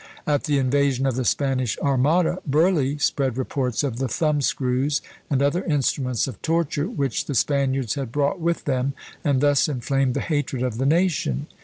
At the invasion of the Spanish Armada, Burleigh spread reports of the thumb screws, and other instruments of torture, which the Spaniards had brought with them, and thus inflamed the hatred of the nation.